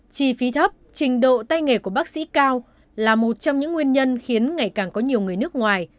chi phí thấp trình độ tay nghề của bác sĩ cao là một trong những nguyên nhân khiến ngày càng có nhiều người nước ngoài